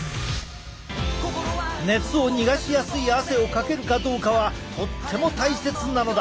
熱を逃がしやすい汗をかけるかどうかはとっても大切なのだ！